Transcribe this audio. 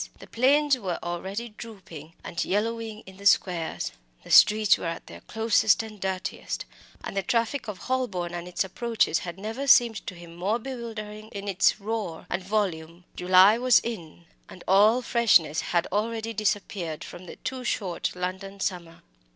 The planes were already drooping and yellowing in the squares, the streets were at their closest and dirtiest, and the traffic of Holborn and its approaches had never seemed to him more bewildering in its roar and volume. July was in, and all freshness had already disappeared from the too short London summer.